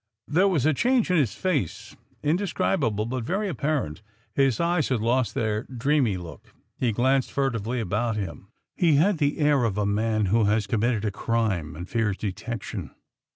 There was a change in his face, indescribable but very apparent. His eyes had lost their dreamy look, he glanced furtively about him, he had the air of a man who has committed a crime and fears detection.